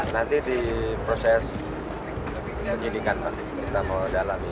nanti di proses penyidikan kita mau dalami